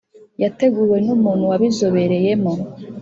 yateguwe n’umuntu wabizobereyemo.